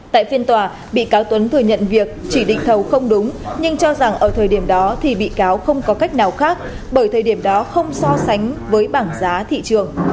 tại phiên tòa bị cáo tuấn thừa nhận việc chỉ định thầu không đúng nhưng cho rằng ở thời điểm đó thì bị cáo không có cách nào khác bởi thời điểm đó không so sánh với bảng giá thị trường